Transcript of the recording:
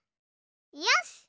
よし！